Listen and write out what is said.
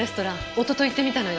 一昨日行ってみたのよ。